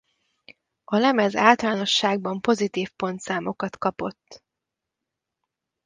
A lemez általánosságban pozitív pontszámokat kapott.